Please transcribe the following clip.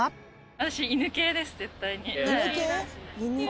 私、犬系です、絶対に。